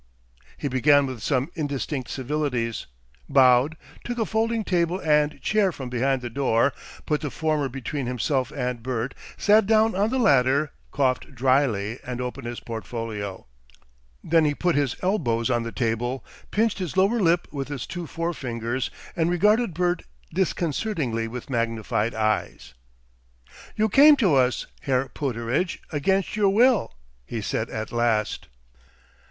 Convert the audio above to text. He began with some indistinct civilities, bowed, took a folding table and chair from behind the door, put the former between himself and Bert, sat down on the latter, coughed drily, and opened his portfolio. Then he put his elbows on the table, pinched his lower lip with his two fore fingers, and regarded Bert disconcertingly with magnified eyes. "You came to us, Herr Pooterage, against your will," he said at last.